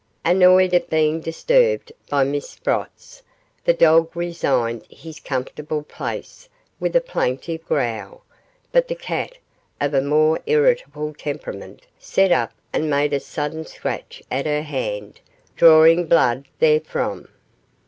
Annoyed at being disturbed by Miss Sprotts, the dog resigned his comfortable place with a plaintive growl, but the cat, of a more irritable temperament, set up and made a sudden scratch at her hand, drawing blood therefrom.